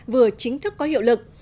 vừa chính thức có hiệu lực